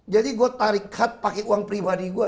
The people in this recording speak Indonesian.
jadi gue tarik hat pake uang pribadi gue